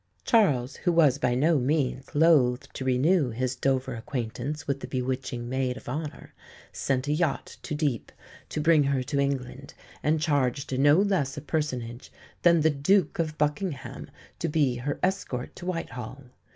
Charles, who was by no means loth to renew his Dover acquaintance with the bewitching maid of honour, sent a yacht to Dieppe to bring her to England, and charged no less a personage than the Duke of Buckingham to be her escort to Whitehall.